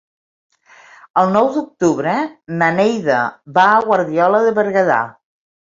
El nou d'octubre na Neida va a Guardiola de Berguedà.